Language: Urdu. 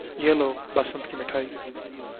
یہ لو، بسنت کی مٹھائی۔